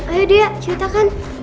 ayo dia ceritakan